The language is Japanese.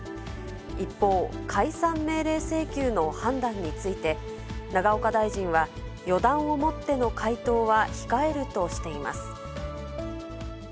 一方、解散命令請求の判断について、永岡大臣は、予断をもっての回答は控えるとしています。